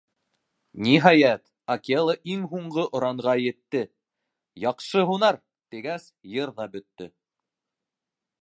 Ниһайәт, Акела иң һуңғы оранға етте: «Яҡшы һунар!» — тигәс, Йыр ҙа бөттө.